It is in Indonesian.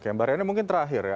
oke mbak reana mungkin terakhir ya